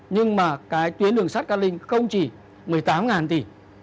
nhưng mà cái tuyến đường sắt cát linh không chỉ một mươi tám tỷ